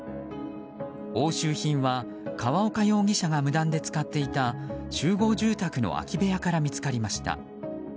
押収品は河岡容疑者が無断で使っていた集合住宅の空き部屋から見つかりました。